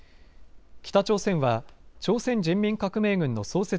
北朝鮮は朝鮮人民革命軍の創設